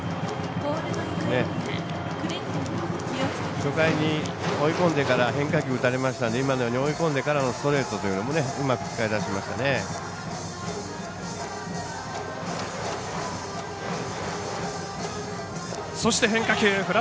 初回に追い込んでから変化球打たれましたので今のように追い込んでからのストレートというのもうまく使いだしましたね。